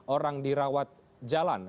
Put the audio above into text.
orang dirawat jalan